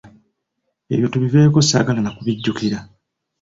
Ebyo tubiveeko ssaagala na kubijjukira.